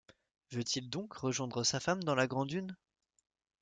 Veut-il donc rejoindre sa femme dans la grand’hune ?